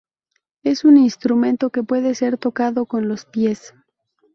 Es un instrumento que puede ser tocado con los pies.